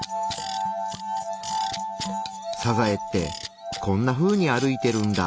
サザエってこんなふうに歩いてるんだ。